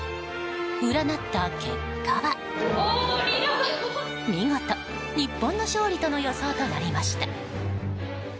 占った結果は、見事日本の勝利との予想となりました。